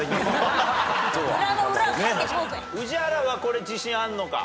宇治原はこれ自信あんのか？